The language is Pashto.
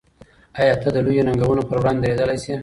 آیا ته د لویو ننګونو پر وړاندې درېدلی شې؟